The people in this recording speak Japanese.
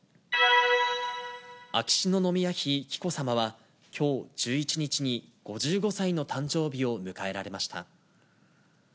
秋篠宮妃紀子さまはきょう１１日に、５５歳の誕生日を迎えられました。